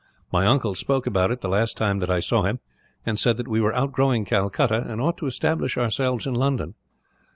My uncle spoke about it, the last time that I saw him; and said that we were outgrowing Calcutta, and ought to establish ourselves in London.